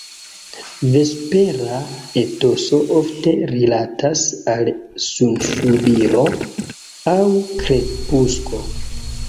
Vespera etoso ofte rilatas al sunsubiro aŭ krepusko.